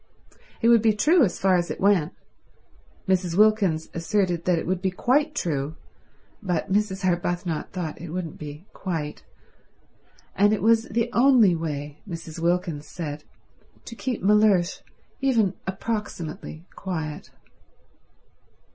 It would be true as far as it went— Mrs. Wilkins asserted that it would be quite true, but Mrs. Arbuthnot thought it wouldn't be quite—and it was the only way, Mrs. Wilkins said, to keep Mellersh even approximately quiet.